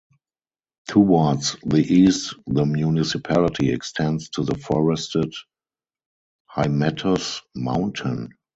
Towards the east the municipality extends to the forested Hymettus mountain.